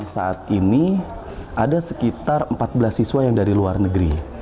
saat ini ada sekitar empat belas siswa yang dari luar negeri